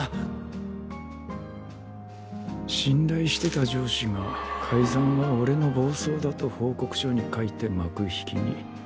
信頼してた上司が改ざんは俺の暴走だと報告書に書いて幕引きに。